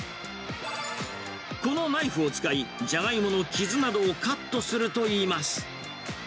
このナイフを使い、ジャガイモの傷などをカットするといいます。